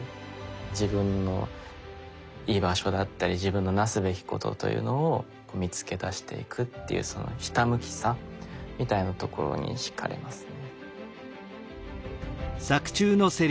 自分の居場所だったり自分のなすべきことというのを見つけ出していくというひたむきさみたいなところにひかれますね。